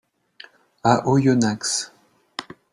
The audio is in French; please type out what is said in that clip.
À Oyonnax.